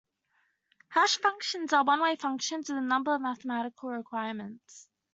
Hash functions are one-way functions with a number of mathematical requirements.